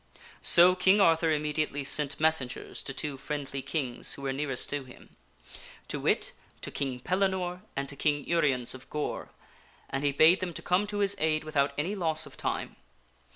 So King Arthur immediately sent messengers to two friendly kings who were nearest to him to wit, to King Pellinore and to King Uriens of Gore and he bade them to come to his aid without any loss of time.